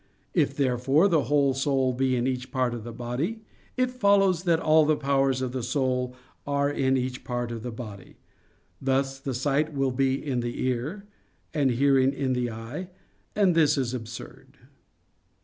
If, therefore, the whole soul be in each part of the body, it follows that all the powers of the soul are in each part of the body; thus the sight will be in the ear, and hearing in the eye, and this is absurd.